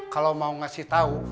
kalau mau ngasih tau